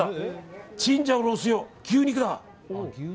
チンジャオロース用、牛肉だ！